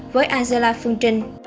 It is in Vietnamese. với angela phương trinh